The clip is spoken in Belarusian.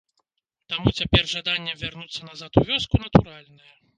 Таму цяпер жаданне вярнуцца назад у вёску натуральнае.